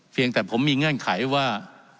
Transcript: เพียงแต่ผมมีเงื่อนไขว่า